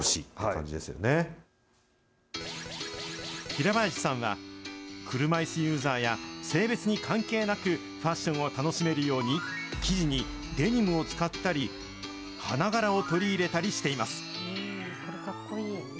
平林さんは、車いすユーザーや、性別に関係なくファッションを楽しめるように、生地にデニムを使ったり、花柄を取り入れたりしています。